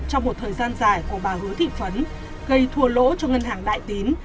trong một thời gian dài của bà hứa thị phấn gây thua lỗ cho ngân hàng đại tín